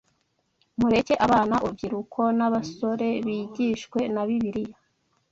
Mureke abana, urubyiruko n’abasore bigishwe na Bibiliya